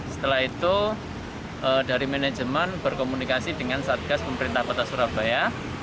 setelah itu dari manajemen berkomunikasi dengan satgas pemerintah kota surabaya